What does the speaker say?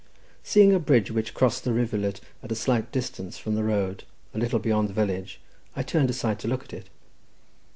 Seeing a bridge which crossed the rivulet at a slight distance from the road, a little beyond the village, I turned aside to look at it.